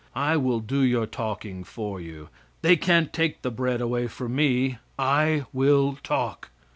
I will do your talking for you. They can't take the bread away from me. I will talk.